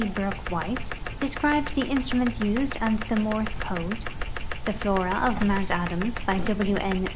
Brook White, describes the instruments used and the Morse code ; The Flora of Mount Adams, by W. N.